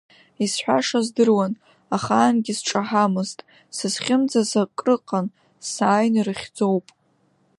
Исҳәаша здыруан, ахаангьы сҿаҳамызт, сызхьымӡаз акрыҟан, сааин ирыхьӡоуп.